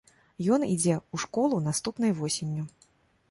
Ён ідзе ў школу наступнай восенню.